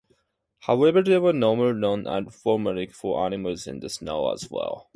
However, there are normal, non-anthropomorphic animals in the show as well.